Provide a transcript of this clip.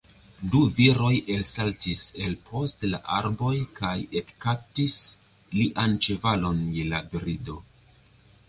Du viroj elsaltis el post la arboj kaj ekkaptis lian ĉevalon je la brido.